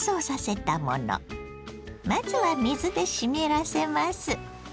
まずは水で湿らせます。